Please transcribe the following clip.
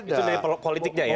itu dari politiknya ya